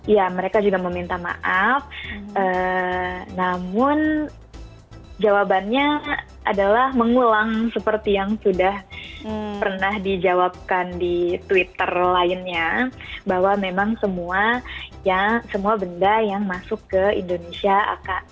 ya mereka juga meminta maaf namun jawabannya adalah mengulang seperti yang sudah pernah dijawabkan di twitter lainnya bahwa memang semua benda yang masuk ke indonesia akan